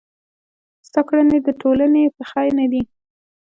ستا کړني د ټولني په خير نه دي.